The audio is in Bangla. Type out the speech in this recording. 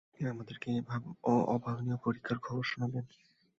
তিনি আমাদেরকে এ অভাবনীয় পরীক্ষার খবর শুনাবেন।